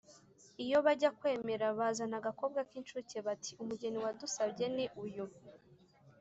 ”iyo bajya kwemera bazana agakobwa k’inshuke bati: “umugeni wadusabye ni uyu”